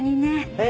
え